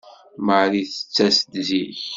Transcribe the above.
Marie tettas-d zik.